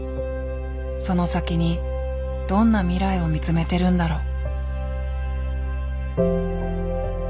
その先にどんな未来を見つめてるんだろう。